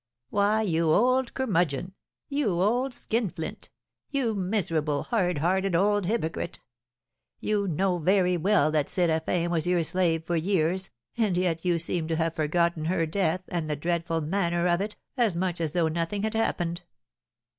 Why, you old curmudgeon! You old skinflint! You miserable, hard hearted old hypocrite! You know very well that Séraphin was your slave for years, and yet you seem to have forgotten her death, and the dreadful manner of it, as much as though nothing had happened.'